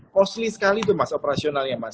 costly sekali tuh mas operasionalnya mas